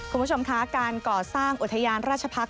คุณผู้ชมคะการก่อสร้างอุทยานราชพักษ